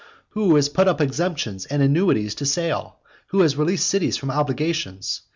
who has put up exemptions and annuities to sale? who has released cities from obligations?